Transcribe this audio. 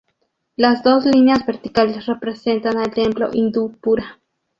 Las dos líneas verticales representan al templo hindú Pura.